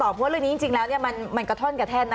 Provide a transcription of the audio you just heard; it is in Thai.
เพราะว่าเรื่องนี้จริงแล้วมันกระท่อนกระแท่นนะ